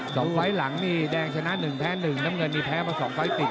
๒ไฟล์ทหลังนี่แดงชนะ๑แพ้๑น้ำเงินมีแพ้มา๒ไฟล์ติด